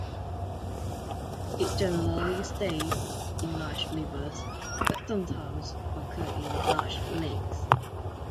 It generally stays in large rivers, but sometimes occur in large lakes.